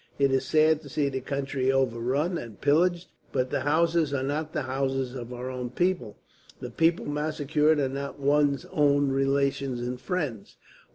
It is sad to see the country overrun, and pillaged; but the houses are not the houses of our own people, the people massacred are not one's own relations and friends.